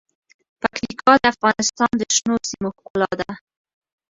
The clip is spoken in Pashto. پکتیکا د افغانستان د شنو سیمو ښکلا ده.